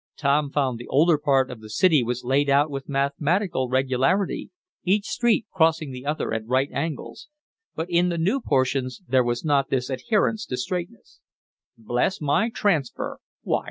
Tom found the older part of the city was laid out with mathematical regularity, each street crossing the other at right angles. But in the new portions there was not this adherence to straightness. "Bless my transfer!